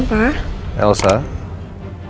kita harus berhubung